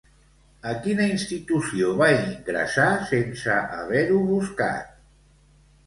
A quina institució va ingressar sense haver-ho buscat?